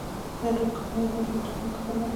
د هډوکو کلکوالی د همدې توکو له کبله دی.